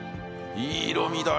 いい色味だね！